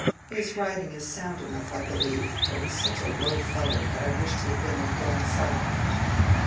His writing is sound enough, I believe, but he's such a low fellow, that I wished he had been on the wrong side."